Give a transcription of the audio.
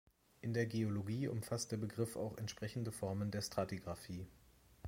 In der Geologie umfasst der Begriff auch entsprechende Formen der Stratigraphie.